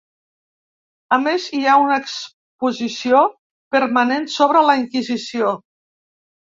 A més, hi ha una exposició permanent sobre la Inquisició.